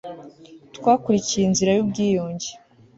twakurikiye inzira y ubwiyunge